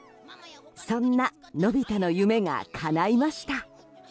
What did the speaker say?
そんなのび太の夢がかないました。